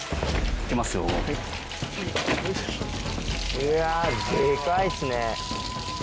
いやデカいっすね。